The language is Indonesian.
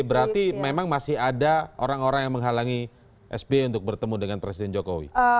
berarti memang masih ada orang orang yang menghalangi sby untuk bertemu dengan presiden jokowi